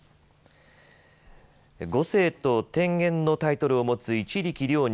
碁聖と天元のタイトルを持つ一力遼二